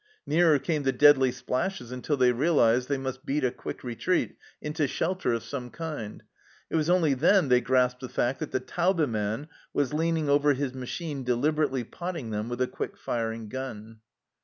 Nearer came the deadly splashes until they realized they must beat a quick retreat into shelter of some kind, and it was only then they grasped the fact that the Taube man was leaning over his machine deliberately potting them with a quick firing gun